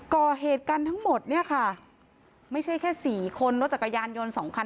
ก่อเหตุกันทั้งหมดเนี่ยค่ะไม่ใช่แค่สี่คนรถจักรยานยนต์สองคัน